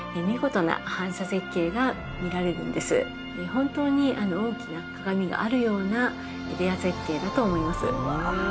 本当に大きな鏡があるようなレア絶景だと思います。